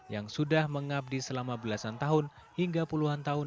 yang sudah mengabdi selama belasan tahun hingga puluhan tahun